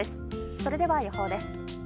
それでは、予報です。